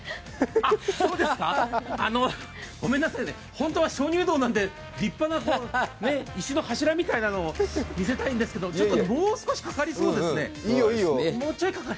あっ、そうですか、本当は鍾乳洞なんで立派な石の柱みたいなのを見せたいんですけれども、ちょっともう少しかかりそうですね。